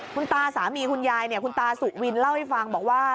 คุณตาสามีคุณยายเนี่ยคุณตาสุวินเล่าให้ฟังบอกว่า